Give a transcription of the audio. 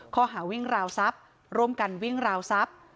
ข้อหาวิ่งราวซับร่วมกันวิ่งราวซับ